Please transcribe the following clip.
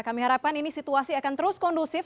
kami harapkan ini situasi akan terus kondusif